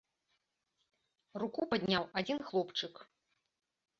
Руку падняў адзін хлопчык.